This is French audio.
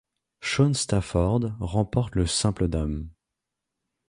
Shaun Stafford remporte le simple dames.